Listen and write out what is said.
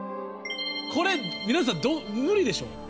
これ皆さんどう無理でしょ？